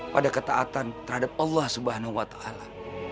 pada ketaatan terhadap allah subhanahu wa ta'ala